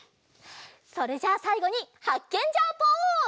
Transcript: それじゃあさいごにハッケンジャーポーズ！